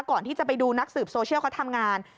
ก่อนที่จะไปดูนักสืบโซเชียลเขาทำงาน